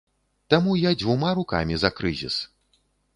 Таму я дзвюма рукамі за крызіс.